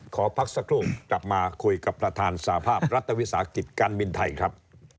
ขอพักสักครู่กลับมาคุยกับประธานสภาพรัฐวิสาหกิจการบินไทยครับ